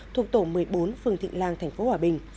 thuộc tổ một mươi bốn phường thịnh lan thành phố hòa bình